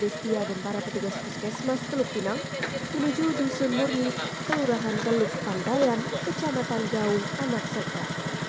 setia dan para petugas puskesmas teluk pinang menuju dusun murni kelurahan teluk pantayan kecamatan jauh amakseka